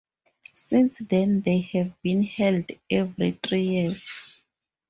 Since then they have been held every three years.